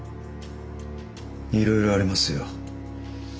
いろいろありますよ。